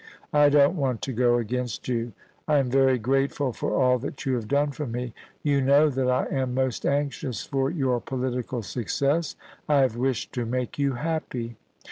I don't want to go against you ; I am very grateful for all that you have done for me. You know that I am most anxious for your political success. I have wished to make you happy.'